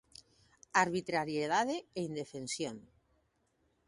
Arbitrariedade e indefensión.